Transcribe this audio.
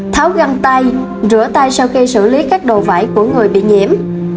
tháo găng tay rửa tay sau khi xử lý các đồ vải của người bị nhiễm